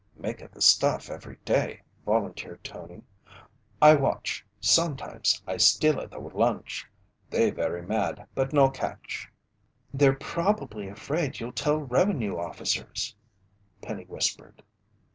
"Make a the stuff every day," volunteered Tony. "I watch sometimes I steal a the lunch. They very mad but no catch." "They're probably afraid you'll tell revenue officers," Penny whispered.